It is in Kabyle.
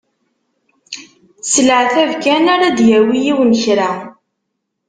S leεtab kan ara d-yawi yiwen kra.